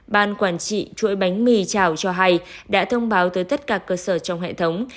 ban quản trị chuỗi bánh mì chảo cho hay đã thông báo tới tất cả cơ sở trong hệ thống